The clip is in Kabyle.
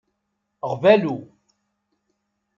Ɣbalu